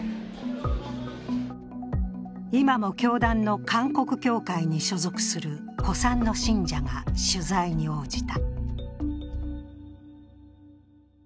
今も教団の韓国教会に所属する古参の信者が取材に応じた。